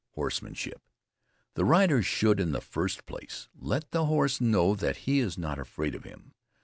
HORSEMANSHIP. The rider should, in the first place, let the horse know that he is not afraid of him.